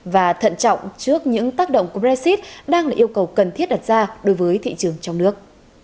và thận trọng trước những tác động của brexit đang là yêu cầu cần thiết đặt ra đối với thị trường trong nước